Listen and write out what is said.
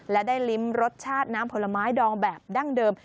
และได้ลิ้มรสชาติน้ำผลไม้ดองแบบดั้งเดิม